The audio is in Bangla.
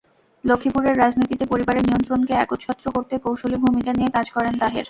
লক্ষ্মীপুরের রাজনীতিতে পরিবারের নিয়ন্ত্রণকে একচ্ছত্র করতে কৌশলী ভূমিকা নিয়ে কাজ করেন তাহের।